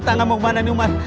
tidak mau kemana ini umar